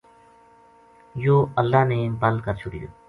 یوہ اللہ نے بَل کر چھُڑیو